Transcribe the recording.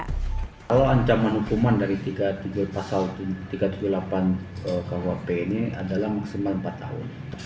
kalau ancaman hukuman dari pasal tiga ratus tujuh puluh delapan kuhp ini adalah maksimal empat tahun